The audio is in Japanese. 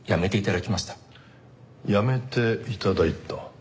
辞めて頂いた？